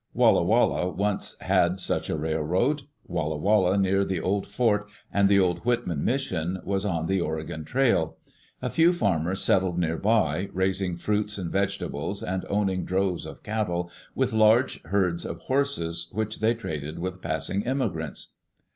Walla Walla once had such a railroad. Walla Walla, near the old fort and the old Whitman mission, was on the Oregon trail. A few farmers settled near by, raising fruits and vegetables, and owning droves of cattle, with large herds of horses, which they traded with passing immigrants.